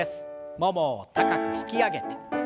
ももを高く引き上げて。